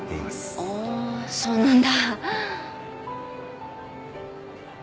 ああそうなんだ。